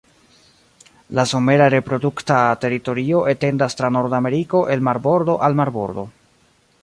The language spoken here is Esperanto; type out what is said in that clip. La somera reprodukta teritorio etendas tra Nordameriko el marbordo al marbordo.